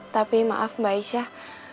tapi maaf mbak aisyah